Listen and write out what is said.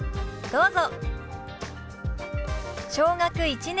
どうぞ。